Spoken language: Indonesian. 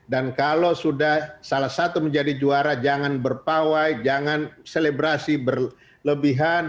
dan kalau sudah salah satu menjadi juara jangan berpawai jangan selebrasi berlebihan